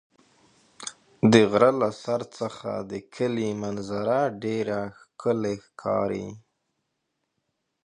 د غره له سر څخه د کلي منظره ډېره ښکلې ښکاري.